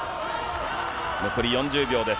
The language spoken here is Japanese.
残り４０秒です。